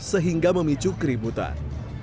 sehingga memicu keributan